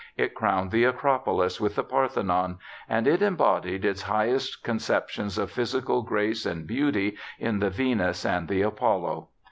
It crowned the Acropolis with the Parthenon, and it embodied its highest conceptions of physical grace and beauty in the Venus and the Apollo.